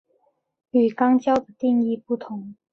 与肛交的定义不同。